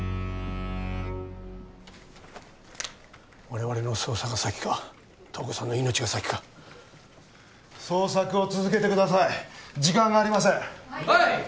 我々の捜査が先か東子さんの命が先か捜索を続けてください時間がありませんはいっ